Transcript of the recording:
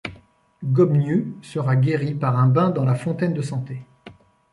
Gobniu sera guérit par un bain dans la Fontaine de Santé.